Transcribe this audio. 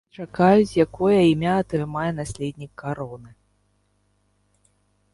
Зараз усе чакаюць, якое імя атрымае наследнік кароны.